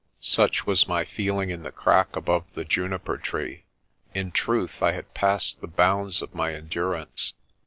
Such was my feeling in the crack above the juniper tree. In truth, I had passed the bounds of my en durance.